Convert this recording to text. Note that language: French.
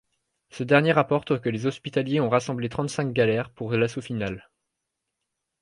Ce dernier rapporte que les Hospitaliers ont rassemblé trente-cinq galères pour l'assaut final.